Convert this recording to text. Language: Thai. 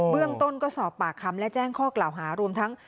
เรื่องต้นก็สอบปากคำและแจ้งข้อกล่าวหารวมทั้ง